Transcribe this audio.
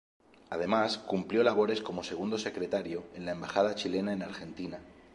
Además cumplió labores como Segundo Secretario en la Embajada chilena en Argentina.